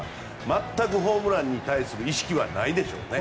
全くホームランに対する意識はないでしょうね。